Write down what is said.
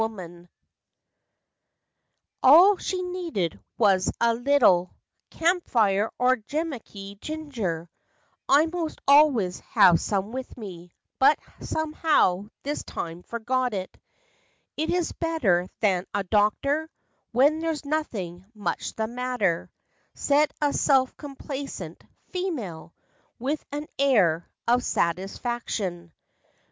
n " All she needed was a leetle Campfire or Jemaky ginger; I most always have some with me, But somehow, this time, forgot it. It is better than a doctor When there's nothing much the matter," Said a self complacent " female " With an air of satisfaction.